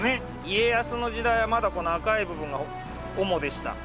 家康の時代はまだこの赤い部分が主でした。